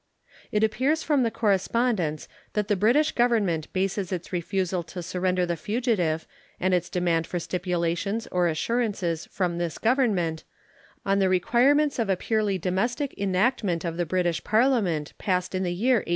It appears from the correspondence that the British Government bases its refusal to surrender the fugitive and its demand for stipulations or assurances from this Government on the requirements of a purely domestic enactment of the British Parliament, passed in the year 1870.